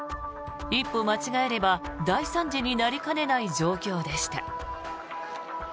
一歩間違えれば大惨事になりかねない状況でした。